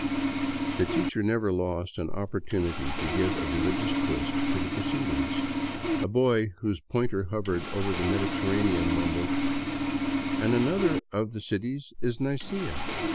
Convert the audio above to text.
The teacher never lost an opportunity to give a religious twist to the proceedings. A boy whose pointer hovered over the Mediterranean mumbled :" And another of the cities is Nicea.